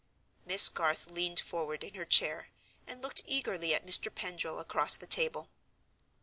Miss Garth leaned forward in her chair, and looked eagerly at Mr. Pendril across the table.